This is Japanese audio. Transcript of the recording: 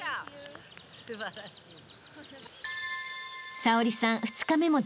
［早織さん］